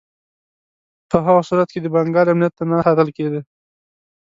په هغه صورت کې د بنګال امنیت نه ساتل کېدی.